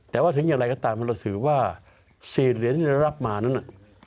แต่ว่าถึงอะไรก็ตามถือว่า๔เหรียญรับมานั้นน่ะ